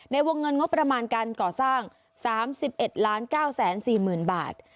ในวงเงินงบประมาณการก่อสร้าง๓๑๙๔๐๐๐บาท